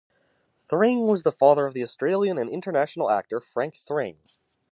Thring was the father of the Australian and international actor, Frank Thring.